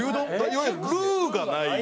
いわゆるルーがない。